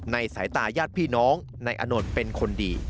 สายตาญาติพี่น้องนายอนด์เป็นคนดี